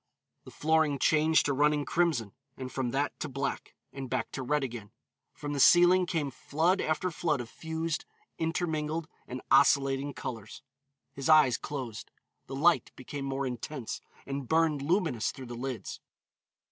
The flooring changed to running crimson, and from that to black, and back to red again. From the ceiling came flood after flood of fused, intermingled and oscillating colors. His eyes closed. The light became more intense, and burned luminous through the lids.